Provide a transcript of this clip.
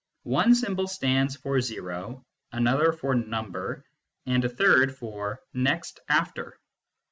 One symbol stands for zero, another for number, and a third for next after.